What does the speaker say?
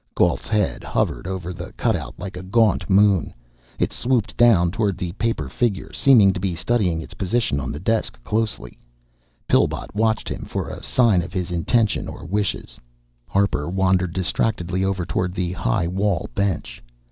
Gault's head hovered over the cutout like a gaunt moon. It swooped down toward the paper figure, seemed to be studying its position on the desk closely. Pillbot watched him for a sign of his intentions or wishes. Harper wandered distractedly over toward the high wall bench.